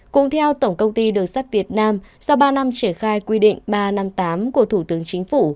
cũng theo tổng công ty đường sắt việt nam sau ba năm triển khai quy định ba trăm năm mươi tám của thủ tướng chính phủ